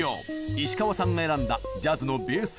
石川さんが選んだジャズのベース